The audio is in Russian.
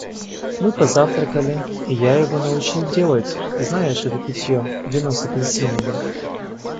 Мы позавтракали, и я его научил делать, знаешь, это питье, вино с апельсинами.